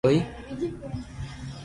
سب ايوي پڙيو رھيو ڪوئي ڪوئي